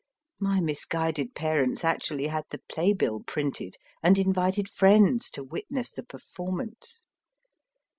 My misguided parents actually had the playbill printed and invited friends to witness the performance.